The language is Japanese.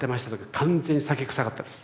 完全に酒臭かったです。